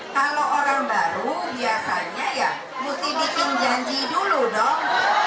kalau orang baru biasanya ya mesti bikin janji dulu dong